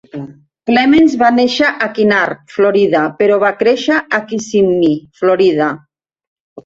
Clements va néixer a Kinard, Florida, però va créixer a Kissimmee, Florida.